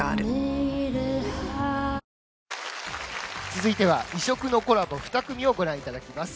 続いては異色のコラボ２組をご覧いただきます。